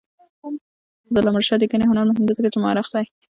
د علامه رشاد لیکنی هنر مهم دی ځکه چې مؤرخ دی.